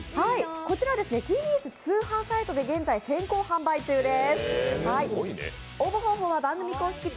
こちらはＴＢＳ通販サイトで先行販売中です。